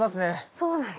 そうなんです。